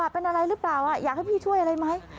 เป็นอะไรหรือเปล่าอยากให้พี่ช่วยอะไรไหม